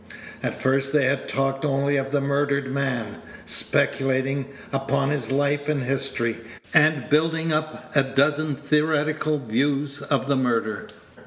At first they had talked only of the murdered man, speculating upon his life and history, and building up a dozen theoretical views of the murder.